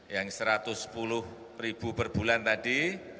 yang rp satu ratus sepuluh ribu per bulan tadi